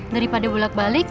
daripada bulat balik